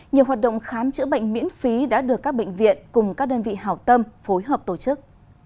nhiều hoạt động khám chữa bệnh miễn phí đã được các bệnh viện cùng các đơn vị hảo tâm phối hợp tổ chức